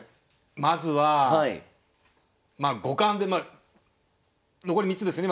まずはまあ五冠で残り３つですね